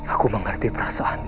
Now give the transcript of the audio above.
aku mengerti perasaanmu